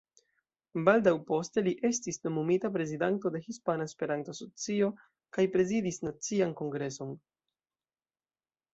Baldaŭ poste li estis nomumita prezidanto de Hispana Esperanto-Asocio kaj prezidis nacian Kongreson.